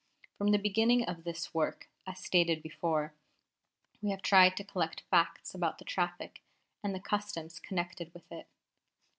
From the beginning of this work, as stated before, we have tried to collect facts about the traffic and the customs connected with it.